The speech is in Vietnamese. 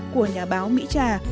của nhà báo mỹ trà